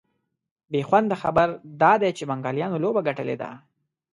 بېخونده خبر دا دی چي بنګالیانو لوبه ګټلې ده